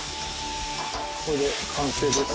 これで完成です。